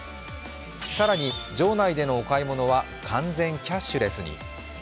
更に場内でのお買い物は完全キャッシュレスに。